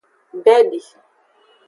Bedi.